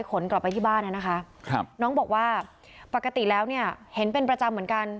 กลับไปที่บ้านนะคะครับน้องบอกว่าปกติแล้วเนี่ยเห็นเป็นประจำเหมือนกัน